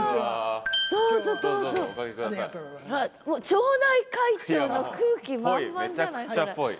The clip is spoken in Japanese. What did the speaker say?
町内会長の空気満々じゃない？ぽい。